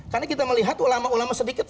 karena kita melihat ulama ulama sedikit